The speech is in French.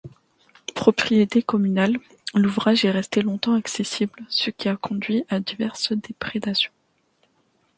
Propriété communale, l'ouvrage est resté longtemps accessible, ce qui a conduit à diverses déprédations.